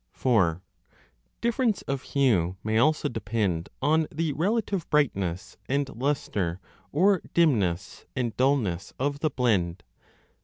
(4) Difference of hue may also depend on the relative brightness and lustre or dimness and dullness of the blend.